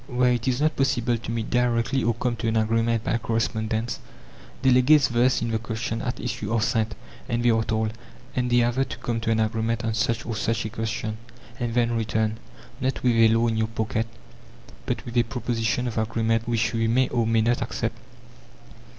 Where it is not possible to meet directly or come to an agreement by correspondence, delegates versed in the question at issue are sent, and they are told: "Endeavour to come to an agreement on such or such a question, and then return, not with a law in your pocket, but with a proposition of agreement which we may or may not accept."